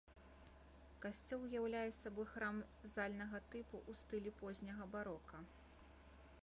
Касцёл уяўляе сабой храм зальнага тыпу ў стылі позняга барока.